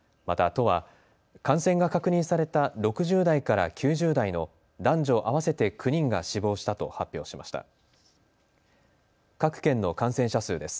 また都は感染が確認された６０代から９０代の男女合わせて９人が死亡したと発表しました。